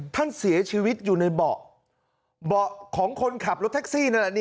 ท่านเสียชีวิตอยู่ในเบาะเบาะของคนขับรถแท็กซี่นั่นแหละ